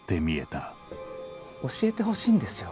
教えてほしいんですよ